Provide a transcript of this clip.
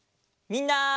みんな！